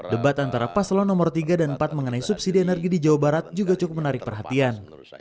debat antara paslon nomor tiga dan empat mengenai subsidi energi di jawa barat juga cukup menarik perhatian